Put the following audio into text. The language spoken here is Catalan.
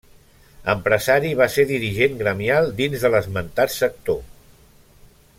Empresari, va ser dirigent gremial dins de l'esmentat sector.